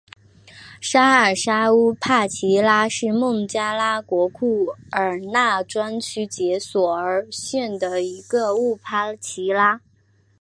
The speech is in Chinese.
沙尔沙乌帕齐拉是孟加拉国库尔纳专区杰索尔县的一个乌帕齐拉。